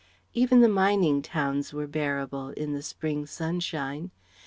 Even the mining towns were bearable in the spring sunshine.